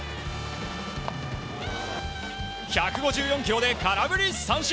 １５４キロで空振り三振！